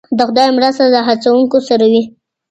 د خدای مرسته د هڅه کوونکو سره وي.